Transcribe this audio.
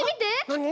なに？